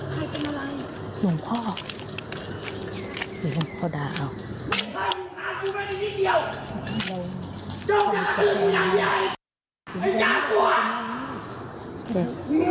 เกิดเหตุการณ์จากกุฏติของเจ้าอาวาสดังแบบนี้ฮะ